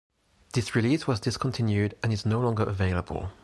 This release was discontinued and is no longer available.